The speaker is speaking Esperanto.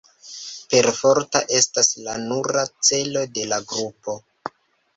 Perforto estas la nura celo de la grupo.